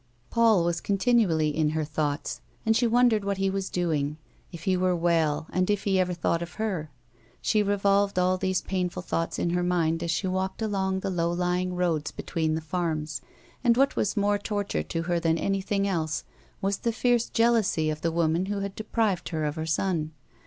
Paul was continually in her thoughts and she wondered what he was doing, if he were well and if he ever thought of her. She revolved all these painful thoughts in her mind as she walked along the low lying roads between the farms, and what was more torture to her than anything else was her fierce jealousy of the woman who had deprived her of her son.